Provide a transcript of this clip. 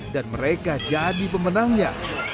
dan mereka jadi pemenangnya